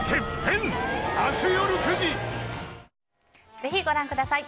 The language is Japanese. ぜひご覧ください。